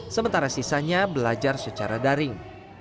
sementara sisanya belajar secara daring